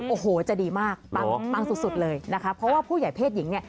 โอ้โหจะดีมากปังปังสุดเลยนะคะเพราะว่าผู้ใหญ่เพศหญิงเนี่ย